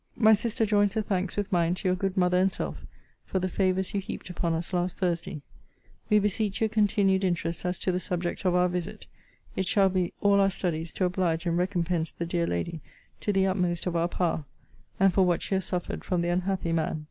My sister joins her thanks with mine to your good mother and self, for the favours you heaped upon us last Thursday. We beseech your continued interest as to the subject of our visit. It shall be all our studies to oblige and recompense the dear lady to the utmost of our power, and for what she has suffered from the unhappy man.